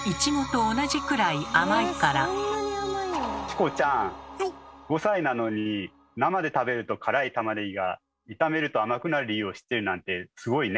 チコちゃん５歳なのに生で食べると辛いたまねぎが炒めると甘くなる理由を知っているなんてすごいね。